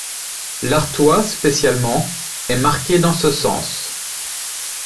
L'Artois spécialement est marqué dans ce sens.